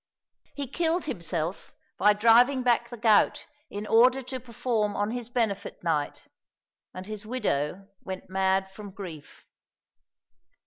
He killed himself by driving back the gout in order to perform on his benefit night, and his widow went mad from grief.